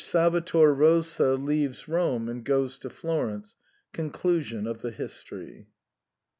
Salvatar Rosa leaves Rome and goes to Florence. Conclusion of the history.